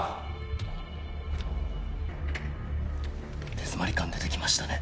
手詰まり感出て来ましたね。